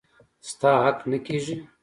ستا حق نه کيږي.